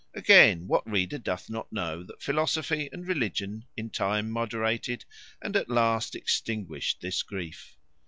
Again, what reader doth not know that philosophy and religion in time moderated, and at last extinguished, this grief?